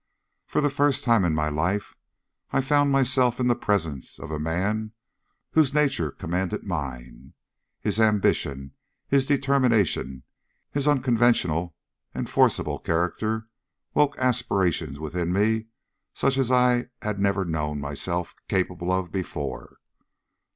"For the first time in my life I found myself in the presence of a man whose nature commanded mine. His ambition, his determination, his unconventional and forcible character woke aspirations within me such as I had never known myself capable of before.